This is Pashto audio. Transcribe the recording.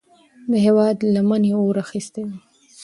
د هیواد لمنې اور اخیستی و.